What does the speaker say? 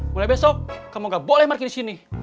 mulai besok kamu nggak boleh markir di sini